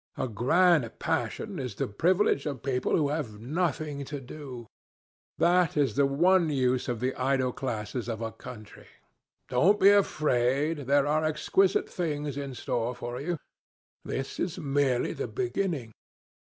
A grande passion is the privilege of people who have nothing to do. That is the one use of the idle classes of a country. Don't be afraid. There are exquisite things in store for you. This is merely the beginning."